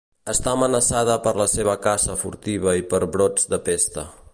Està amenaçada per la seva caça furtiva i per brots de pesta.